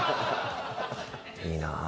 いいなぁ。